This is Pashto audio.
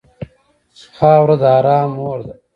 خاوره د ارام مور ده.